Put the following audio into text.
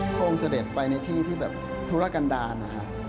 พระองค์เสด็จไปในที่ทุรกันดาน